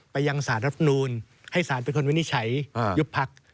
ไปยังสารรับนูลให้สารเป็นคนวินิจฉัยยุบพัก